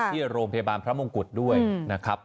ที่โรงพยาบาลพระมงกุฎด้วยนะครับ